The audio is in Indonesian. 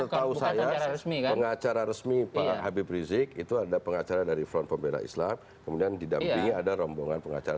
setahu saya pengacara resmi pak habib rizik itu ada pengacara dari front pembela islam kemudian didampingi ada rombongan pengacara